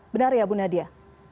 benar ya bu nadia